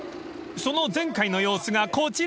［その前回の様子がこちら］